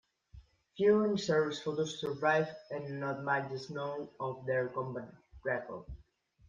Few in-service photos survived and not much is known of their combat record.